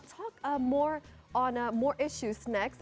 kami akan berbicara lebih lanjut